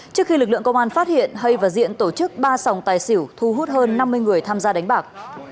trước khi lực lượng công an phát hiện hay và diện tổ chức ba sòng tài xỉu thu hút hơn năm mươi người tham gia đánh bạc